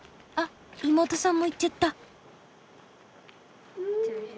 あっ妹さんも行っちゃった。